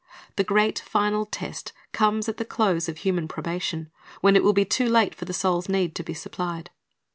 The great final test comes at the close of human probation, when it will be too late for the soul's need to be supplied.